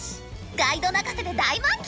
ガイド泣かせで大満喫！